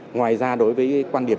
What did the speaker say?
ngoài ra đối với quan điểm